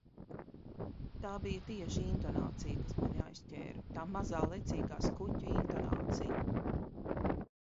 Tā bija tieši intonācija, kas mani aizķēra, tā mazā, lecīgā skuķa intonācija!